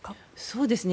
そうですね。